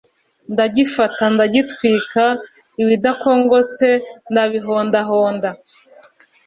ndagifata, ndagitwika; ibidakongotse ndabihondahonda,